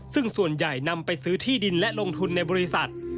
ซึ่งส่วนใหญ่นำไปซื้อที่ดินและลงทุนในบริษัท